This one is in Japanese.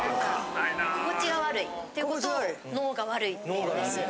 心地が悪いっていうことを「のうが悪い」って言うんですよ。